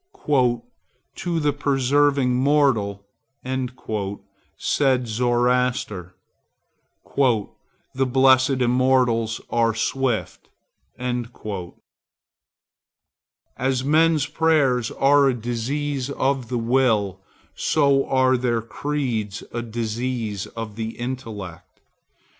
"To the persevering mortal," said Zoroaster, "the blessed Immortals are swift." As men's prayers are a disease of the will, so are their creeds a disease of the intellect.